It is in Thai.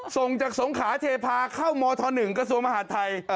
ส่งจากสงขาเทพาเข้ามธ๑กระทรวงมหาดไทย